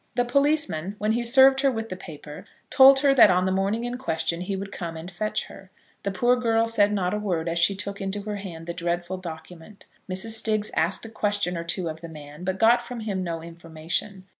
The policeman, when he served her with the paper, told her that on the morning in question he would come and fetch her. The poor girl said not a word as she took into her hand the dreadful document. Mrs. Stiggs asked a question or two of the man, but got from him no information.